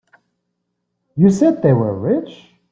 You said they were rich?